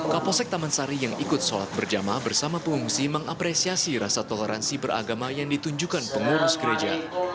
kapolsek taman sari yang ikut sholat berjamaah bersama pengungsi mengapresiasi rasa toleransi beragama yang ditunjukkan pengurus gereja